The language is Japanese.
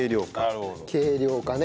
軽量化ね。